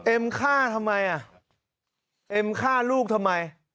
ฆ่าทำไมอ่ะเอ็มฆ่าลูกทำไม